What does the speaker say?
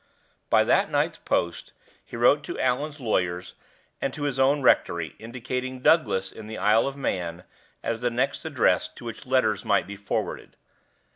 By that night's post he wrote to Allan's lawyers and to his own rectory, indicating Douglas in the Isle of Man as the next address to which letters might be forwarded.